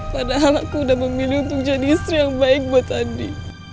padahal aku udah memilih untuk jadi istri yang baik buat andi